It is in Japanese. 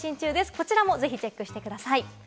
こちらもぜひチェックしてください。